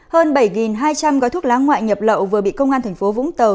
hơn bảy hai trăm linh gói thuốc lá ngoại nhập lậu vừa bị công an tp vũng tân